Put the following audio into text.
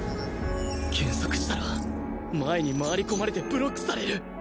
減速したら前に回り込まれてブロックされる